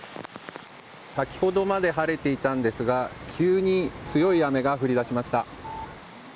先ほどまで晴れていたんですが急に強い雨が降り出しました。